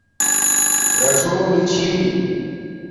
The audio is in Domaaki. رڞݸنی چھی